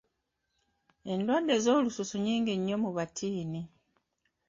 Endwadde z'olususu nnyingi nnyo mu batiini.